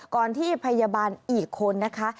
ก่อนที่พยาบาลอีกคนนะคะ